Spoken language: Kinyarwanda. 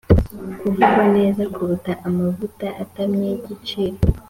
Kuvugwa neza kuruta amavuta atamye y igiciro